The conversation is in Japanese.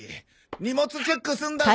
荷物チェック済んだぞ！